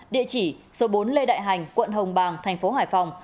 địa chỉ số bốn lê đại hành quận hồng bàng tp hải phòng